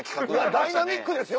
ダイナミックですよ